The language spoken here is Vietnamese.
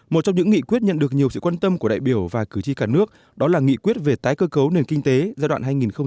một trong những nghị quyết nhận được nhiều sự quan tâm của đại biểu và cử tri cả nước đó là nghị quyết về tái cơ cấu nền kinh tế giai đoạn hai nghìn một mươi sáu hai nghìn hai mươi